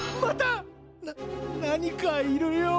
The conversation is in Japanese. ななにかいるよ。